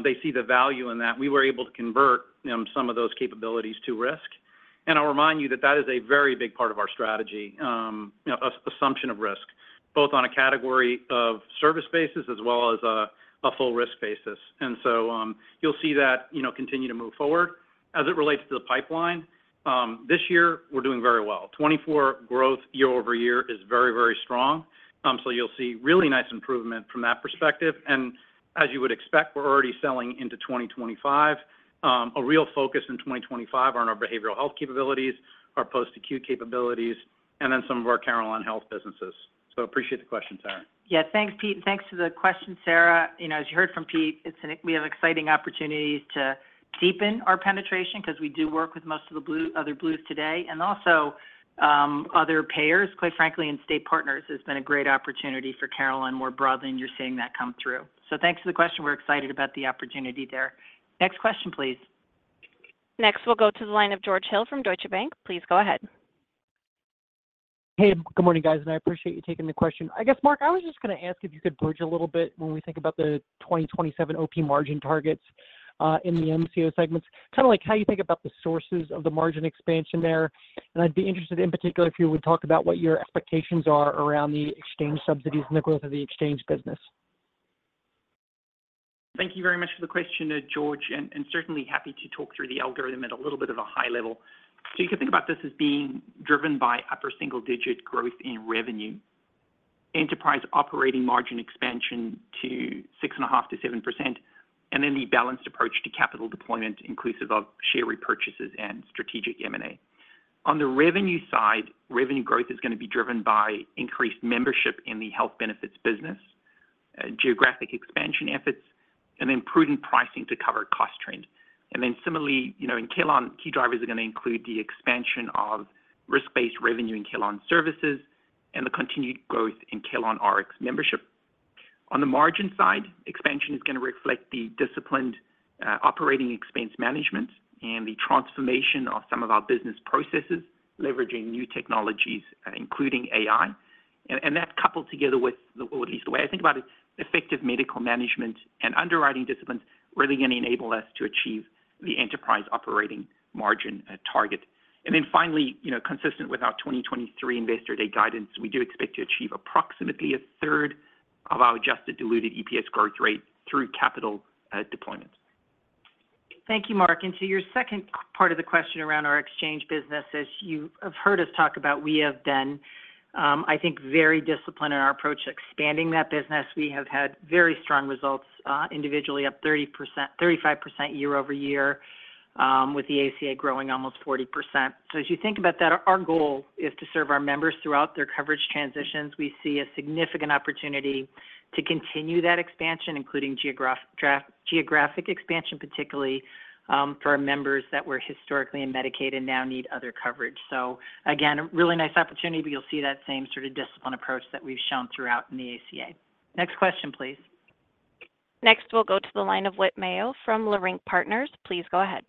They see the value in that. We were able to convert some of those capabilities to risk. And I'll remind you that that is a very big part of our strategy, you know, as assumption of risk, both on a category of service basis as well as a full risk basis. And so, you'll see that, you know, continue to move forward. As it relates to the pipeline, this year, we're doing very well. 2024 growth year-over-year is very, very strong. So you'll see really nice improvement from that perspective. And as you would expect, we're already selling into 2025. A real focus in 2025 are on our behavioral health capabilities, our post-acute capabilities, and then some of our Carelon Health businesses. Appreciate the question, Sarah. Yeah. Thanks, Pete. Thanks for the question, Sarah. You know, as you heard from Pete, it's – we have exciting opportunities to deepen our penetration, 'cause we do work with most of the Blue, other Blues today, and also, other payers, quite frankly, and state partners. It's been a great opportunity for Carelon more broadly, and you're seeing that come through. So thanks for the question. We're excited about the opportunity there. Next question, please. Next, we'll go to the line of George Hill from Deutsche Bank. Please go ahead. Hey, good morning, guys, and I appreciate you taking the question. I guess, Mark, I was just gonna ask if you could bridge a little bit when we think about the 2027 OP margin targets in the MCO segments, kinda like how you think about the sources of the margin expansion there. And I'd be interested, in particular, if you would talk about what your expectations are around the exchange subsidies and the growth of the exchange business. Thank you very much for the question, George, and certainly happy to talk through the algorithm at a little bit of a high level. So you can think about this as being driven by upper single-digit growth in revenue, enterprise operating margin expansion to 6.5%-7%, and then the balanced approach to capital deployment, inclusive of share repurchases and strategic M&A. On the revenue side, revenue growth is gonna be driven by increased membership in the health benefits business, geographic expansion efforts, and then prudent pricing to cover cost trend. And then similarly, you know, in Carelon, key drivers are gonna include the expansion of risk-based revenue in Carelon Services and the continued growth in CarelonRx membership. On the margin side, expansion is gonna reflect the disciplined, operating expense management and the transformation of some of our business processes, leveraging new technologies, including AI. And, and that's coupled together with, or at least the way I think about it, effective medical management and underwriting discipline, really gonna enable us to achieve the enterprise operating margin, target. And then finally, you know, consistent with our 2023 Investor Day guidance, we do expect to achieve approximately a third of our adjusted diluted EPS growth rate through capital, deployment. Thank you, Mark. To your second part of the question around our exchange business, as you have heard us talk about, we have been, I think, very disciplined in our approach to expanding that business. We have had very strong results, individually, up 30%-35% year-over-year, with the ACA growing almost 40%. As you think about that, our goal is to serve our members throughout their coverage transitions. We see a significant opportunity to continue that expansion, including geographic expansion, particularly, for our members that were historically in Medicaid and now need other coverage. Again, a really nice opportunity, but you'll see that same sort of disciplined approach that we've shown throughout in the ACA. Next question, please. Next, we'll go to the line of Whit Mayo from Leerink Partners. Please go ahead.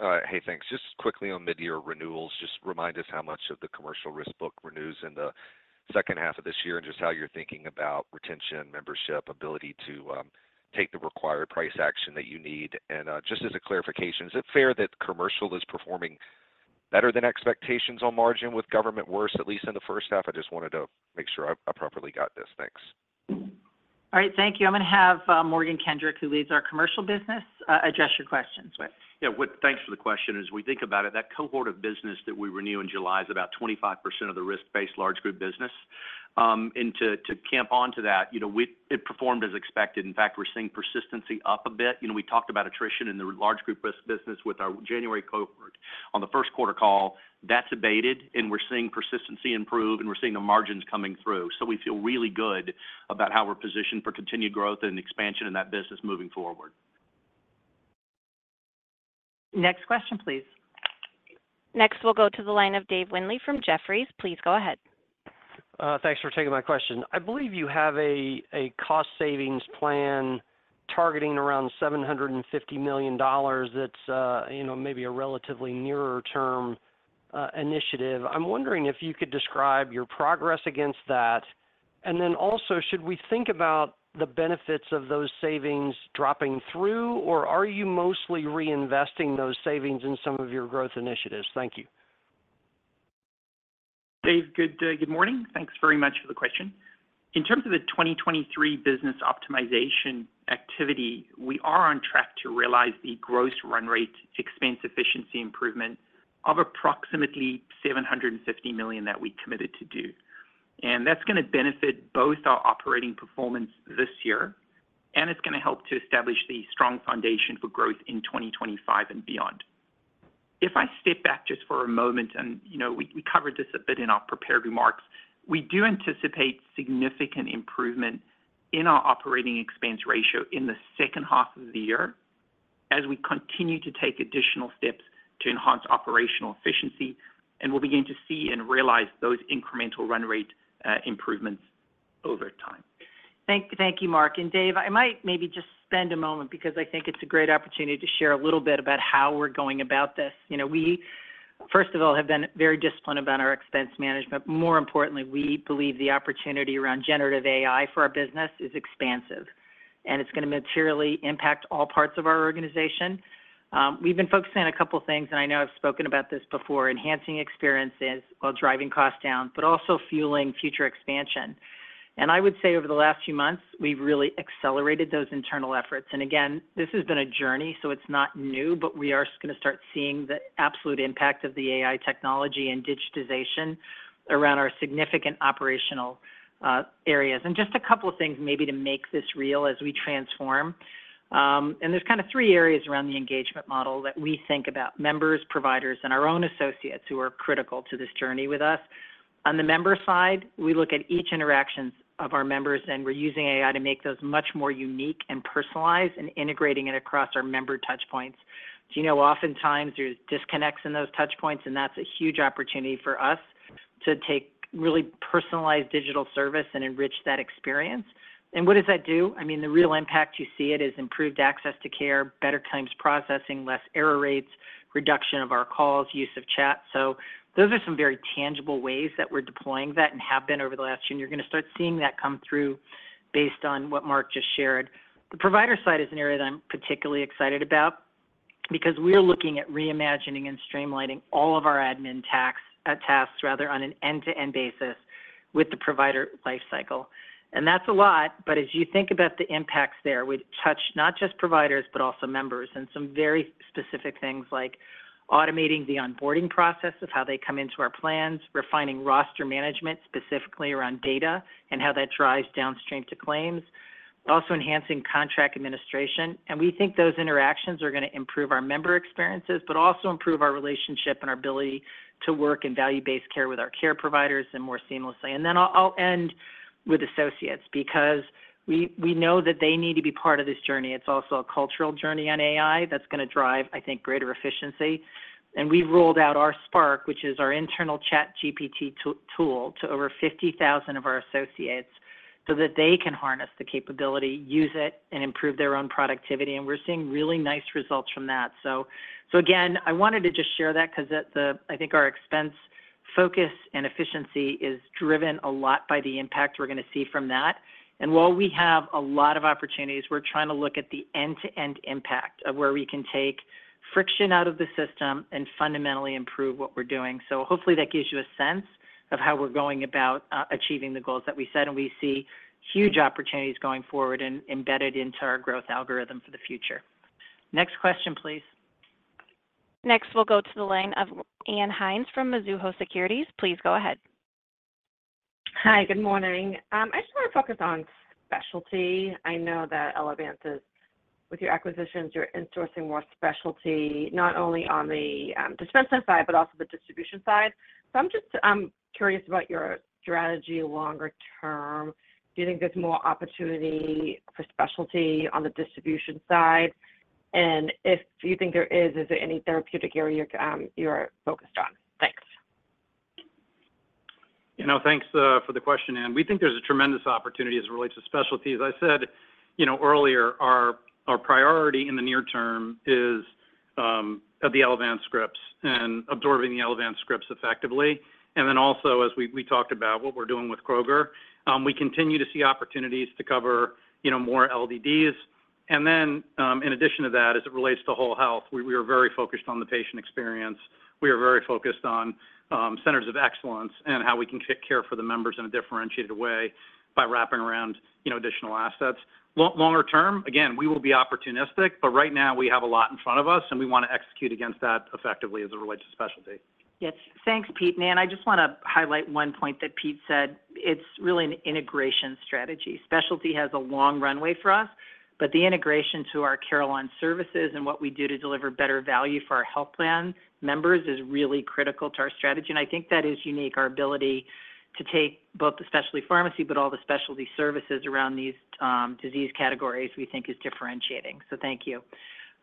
All right. Hey, thanks. Just quickly on mid-year renewals, just remind us how much of the commercial risk book renews in the second half of this year, and just how you're thinking about retention, membership, ability to take the required price action that you need. And just as a clarification, is it fair that commercial is performing better than expectations on margin with government worse, at least in the first half? I just wanted to make sure I, I properly got this. Thanks. All right. Thank you. I'm going to have, Morgan Kendrick, who leads our commercial business, address your questions, Whit. Yeah, Whit, thanks for the question. As we think about it, that cohort of business that we renew in July is about 25% of the risk-based large group business. And to camp onto that, you know, we it performed as expected. In fact, we're seeing persistency up a bit. You know, we talked about attrition in the large group business with our January cohort on the first quarter call. That's abated, and we're seeing persistency improve, and we're seeing the margins coming through. So we feel really good about how we're positioned for continued growth and expansion in that business moving forward. Next question, please. Next, we'll go to the line of Dave Windley from Jefferies. Please go ahead. Thanks for taking my question. I believe you have a cost savings plan targeting around $750 million that's, you know, maybe a relatively nearer term initiative. I'm wondering if you could describe your progress against that, and then also, should we think about the benefits of those savings dropping through, or are you mostly reinvesting those savings in some of your growth initiatives? Thank you. Dave, good day. Good morning. Thanks very much for the question. In terms of the 2023 business optimization activity, we are on track to realize the gross run rate expense efficiency improvement of approximately $750 million that we committed to do. And that's gonna benefit both our operating performance this year, and it's gonna help to establish the strong foundation for growth in 2025 and beyond. If I step back just for a moment, and you know, we, we covered this a bit in our prepared remarks, we do anticipate significant improvement in our operating expense ratio in the second half of the year as we continue to take additional steps to enhance operational efficiency, and we'll begin to see and realize those incremental run rate improvements over time. Thank you, Mark. Dave, I might maybe just spend a moment because I think it's a great opportunity to share a little bit about how we're going about this. You know, we, first of all, have been very disciplined about our expense management. More importantly, we believe the opportunity around generative AI for our business is expansive, and it's gonna materially impact all parts of our organization. We've been focusing on a couple of things, and I know I've spoken about this before, enhancing experiences while driving costs down, but also fueling future expansion. And I would say over the last few months, we've really accelerated those internal efforts. And again, this has been a journey, so it's not new, but we are just gonna start seeing the absolute impact of the AI technology and digitization around our significant operational areas. Just a couple of things maybe to make this real as we transform. There's kind of three areas around the engagement model that we think about: members, providers, and our own associates who are critical to this journey with us. On the member side, we look at each interaction of our members, and we're using AI to make those much more unique and personalized and integrating it across our member touchpoints. Do you know, oftentimes there's disconnects in those touchpoints, and that's a huge opportunity for us to take really personalized digital service and enrich that experience. And what does that do? I mean, the real impact you see it is improved access to care, better times processing, less error rates, reduction of our calls, use of chat. Those are some very tangible ways that we're deploying that and have been over the last year. You're gonna start seeing that come through based on what Mark just shared. The provider side is an area that I'm particularly excited about because we're looking at reimagining and streamlining all of our admin tasks on an end-to-end basis with the provider life cycle. That's a lot, but as you think about the impacts there, we touch not just providers, but also members, and some very specific things like automating the onboarding process of how they come into our plans, refining roster management, specifically around data and how that drives downstream to claims, also enhancing contract administration. We think those interactions are gonna improve our member experiences, but also improve our relationship and our ability to work in value-based care with our care providers and more seamlessly. And then I'll end with associates, because we know that they need to be part of this journey. It's also a cultural journey on AI that's gonna drive, I think, greater efficiency. And we've rolled out our Spark, which is our internal ChatGPT tool, to over 50,000 of our associates so that they can harness the capability, use it, and improve their own productivity. And we're seeing really nice results from that. So again, I wanted to just share that because the, I think, our expense focus and efficiency is driven a lot by the impact we're gonna see from that. And while we have a lot of opportunities, we're trying to look at the end-to-end impact of where we can take friction out of the system and fundamentally improve what we're doing. So hopefully that gives you a sense of how we're going about achieving the goals that we set, and we see huge opportunities going forward and embedded into our growth algorithm for the future. Next question, please. Next, we'll go to the line of Ann Hynes from Mizuho Securities. Please go ahead. Hi, good morning. I just wanna focus on specialty. I know that Elevance is, with your acquisitions, you're insourcing more specialty, not only on the dispenser side, but also the distribution side. So I'm just curious about your strategy longer term. Do you think there's more opportunity for specialty on the distribution side? And if you think there is, is there any therapeutic area you are focused on? Thanks. You know, thanks for the question, Ann. We think there's a tremendous opportunity as it relates to specialty. As I said, you know, earlier, our priority in the near term is of the Elevance scripts and absorbing the Elevance scripts effectively, and then also, as we talked about, what we're doing with Kroger. We continue to see opportunities to cover, you know, more LDDs. And then, in addition to that, as it relates to whole health, we are very focused on the patient experience. We are very focused on centers of excellence and how we can take care for the members in a differentiated way by wrapping around, you know, additional assets. Longer term, again, we will be opportunistic, but right now we have a lot in front of us, and we wanna execute against that effectively as it relates to specialty. Yes. Thanks, Pete. And Anne, I just wanna highlight one point that Pete said. It's really an integration strategy. Specialty has a long runway for us, but the integration to our Carelon Services and what we do to deliver better value for our health plan members is really critical to our strategy, and I think that is unique, our ability to take both the specialty pharmacy, but all the specialty services around these disease categories, we think is differentiating. So thank you.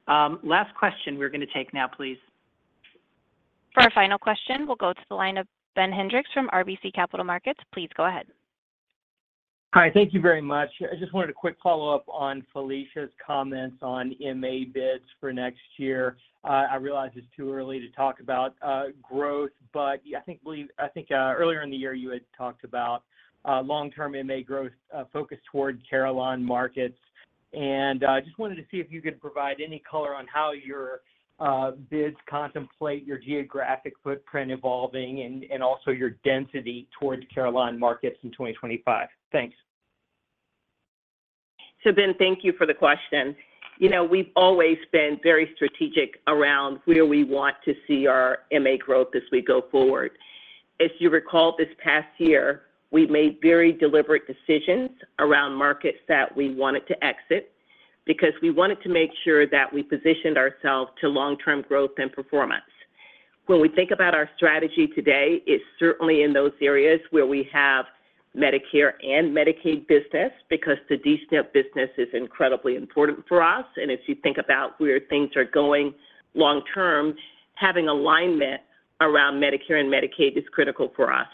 Last question we're gonna take now, please. For our final question, we'll go to the line of Ben Hendricks from RBC Capital Markets. Please go ahead. Hi, thank you very much. I just wanted a quick follow-up on Felicia's comments on MA bids for next year. I realize it's too early to talk about growth, but yeah, I think earlier in the year, you had talked about long-term MA growth focus toward Carelon markets. I just wanted to see if you could provide any color on how your bids contemplate your geographic footprint evolving and also your density towards Carelon markets in 2025. Thanks. So Ben, thank you for the question. You know, we've always been very strategic around where we want to see our MA growth as we go forward. If you recall, this past year, we made very deliberate decisions around markets that we wanted to exit, because we wanted to make sure that we positioned ourselves to long-term growth and performance. When we think about our strategy today, it's certainly in those areas where we have Medicare and Medicaid business, because the D-SNP business is incredibly important for us. And if you think about where things are going long term, having alignment around Medicare and Medicaid is critical for us.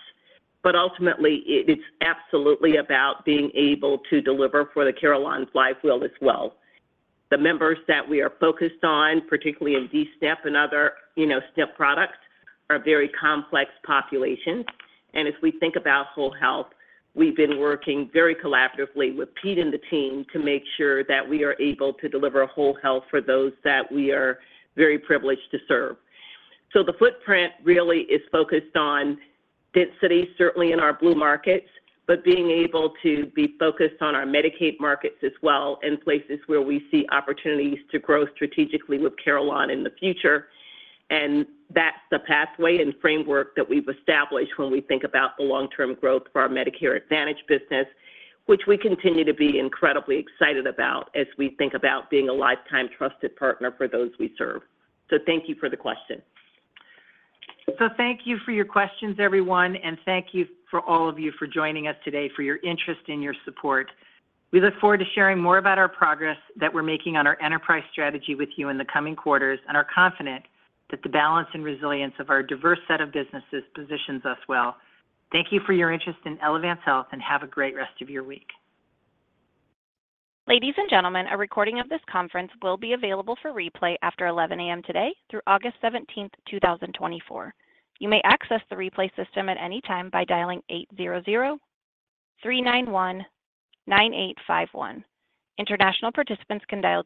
But ultimately, it's absolutely about being able to deliver for the Carelon flywheel as well. The members that we are focused on, particularly in D-SNP and other, you know, SNP products, are a very complex population, and if we think about whole health, we've been working very collaboratively with Pete and the team to make sure that we are able to deliver a whole health for those that we are very privileged to serve. So the footprint really is focused on density, certainly in our Blue markets, but being able to be focused on our Medicaid markets as well, and places where we see opportunities to grow strategically with Carelon in the future. And that's the pathway and framework that we've established when we think about the long-term growth for our Medicare Advantage business, which we continue to be incredibly excited about as we think about being a lifetime trusted partner for those we serve. So thank you for the question. Thank you for your questions, everyone, and thank you for all of you for joining us today, for your interest and your support. We look forward to sharing more about our progress that we're making on our enterprise strategy with you in the coming quarters, and are confident that the balance and resilience of our diverse set of businesses positions us well. Thank you for your interest in Elevance Health, and have a great rest of your week. Ladies and gentlemen, a recording of this conference will be available for replay after 11 A.M. today through August 17th, 2024. You may access the replay system at any time by dialing 800-391-9851. International participants can dial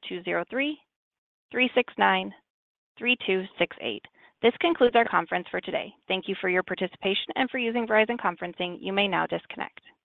203-369-3268. This concludes our conference for today. Thank you for your participation and for using Verizon Conferencing. You may now disconnect.